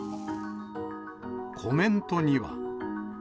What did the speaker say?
コメントには。